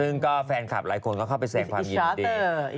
ซึ่งก็แฟนคลับหลายคนก็เข้าไปแสงความยินดี